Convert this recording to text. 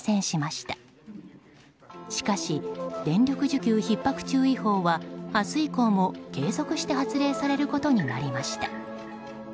しかし、電力需給ひっ迫注意報は明日以降も継続して発令されることになりました。